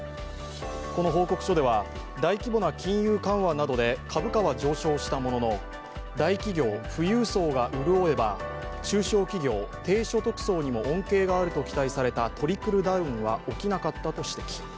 この報告書では、大規模な金融緩和などで株価は上昇したものの大企業、富裕層が潤えば中小企業、低所得層にも恩恵があると期待されたトリクルダウンは起きなかったと指摘。